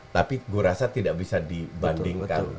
tapi gue rasa tidak bisa dibandingkan